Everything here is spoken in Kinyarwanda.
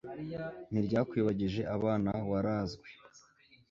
ntiryakwibagije abana warazwe